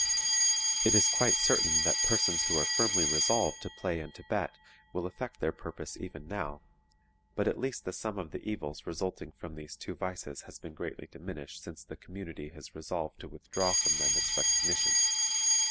It is quite certain that persons who are firmly resolved to play and to bet will effect their purpose even now, but at least the sum of the evils resulting from these two vices has been greatly diminished since the community has resolved to withdraw from them its recognition.